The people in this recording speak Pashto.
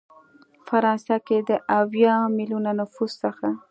فرانسه کې د اویا ملیونه نفوس څخه